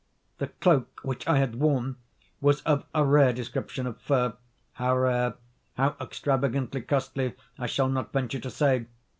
The cloak which I had worn was of a rare description of fur; how rare, how extravagantly costly, I shall not venture to say.